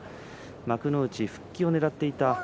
幕内復帰をねらっていました